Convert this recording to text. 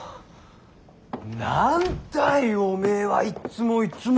何だいおめぇはいっつもいっつも！